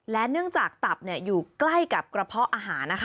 และเนื่องจากตับอยู่ใกล้กับกระเพาะอาหารนะคะ